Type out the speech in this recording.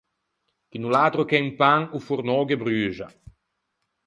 Chi no l’à atro che un pan, o fornâ o ghe bruxa.